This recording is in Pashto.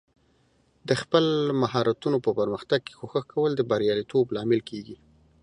د خپل مهارتونو په پرمختګ کې کوښښ کول د بریالیتوب لامل کیږي.